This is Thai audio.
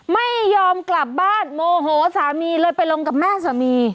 ไม่ยอมกลับบ้านโมโหสามีเลยไปลงกับแม่สามี